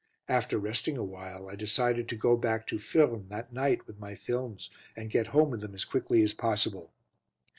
After resting awhile, I decided to go back to Furnes that night with my films and get home with them as quickly as possible.